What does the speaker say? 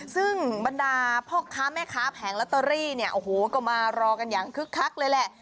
ซึ่งบรรดาพ่อค้าแม่ค้าแผงลอตเตอรี่เนี่ยโอ้โหก็มารอกันอย่างคึกคักเลยแหละ